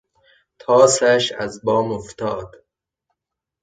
طاسش از بام افتاد